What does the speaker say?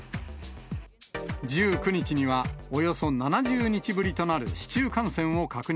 １９日にはおよそ７０日ぶりとなる市中感染を確認。